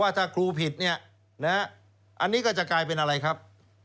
ถ้าครูผิดเนี่ยนะฮะอันนี้ก็จะกลายเป็นอะไรครับ